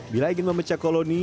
bila ingin memecah koloni